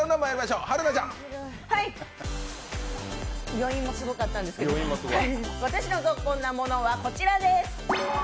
余韻もすごかったんですけど、私のゾッコンなものはこちらです。